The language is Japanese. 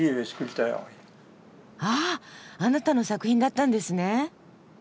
ああなたの作品だったんですね。